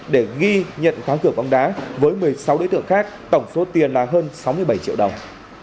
để ghi nhận khoáng cửa bóng đá với một mươi sáu đối tượng khác tổng số tiền là hơn sáu mươi bảy triệu đồng